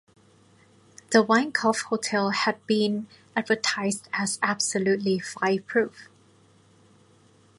The Winecoff Hotel had been advertised as absolutely fireproof.